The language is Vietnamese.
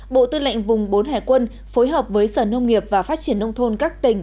bộ tư lệnh vùng bốn hải quân phối hợp với sở nông nghiệp và phát triển nông thôn các tỉnh